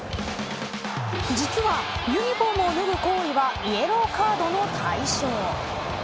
実はユニホームを脱ぐ行為はイエローカードの対象。